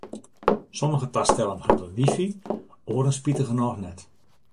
Sommige tastellen hawwe wifi, oaren spitigernôch net.